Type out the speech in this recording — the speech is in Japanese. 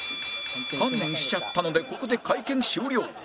観念しちゃったのでここで会見終了